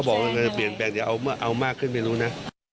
บอกว่ามันจะเปลี่ยนแปลงอย่าเอามากขึ้นไม่รู้นะ